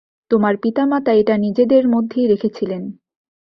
তোমার পিতা-মাতা এটা নিজেদের মধ্যেই রেখেছিলেন।